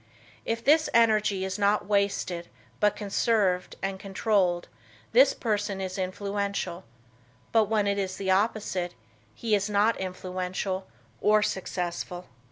If this energy is not wasted but conserved and controlled, this person is influential, but when it is the opposite, he is not influential or successful.